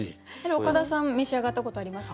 岡田さん召し上がったことありますか？